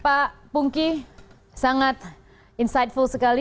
pak pungki sangat insightful sekali